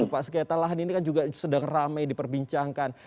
pak sengketa lahan ini kan juga sedang ramai diperbincangkan